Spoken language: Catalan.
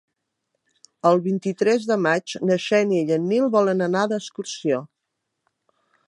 El vint-i-tres de maig na Xènia i en Nil volen anar d'excursió.